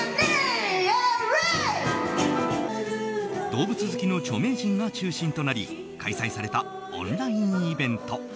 動物好きの著名人が中心となり開催されたオンラインイベント。